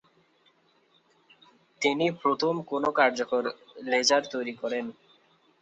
তিনি প্রথম কোনো কার্যকর লেজার তৈরী করেন।